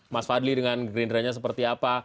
mas fadli dengan gerindranya seperti apa